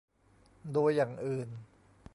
โดยอย่างอื่น